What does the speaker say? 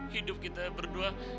hidup kita berdua